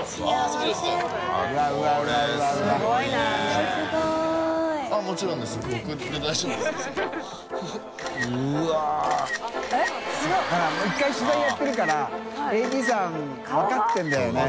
世もう１回取材やってるから腺弔気分かってるんだよね。